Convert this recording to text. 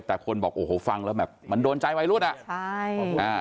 แต่คนบอกโอ้โหฟังแล้วแบบมันโดนใจวัยรุ่นอ่ะใช่อ่า